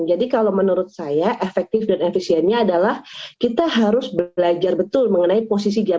jadi kalau menurut saya efektif dan efisiennya adalah kita harus belajar betul mengenai posisi jabatan